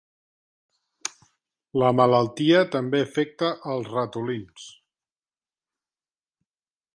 La malaltia també afecta als ratolins.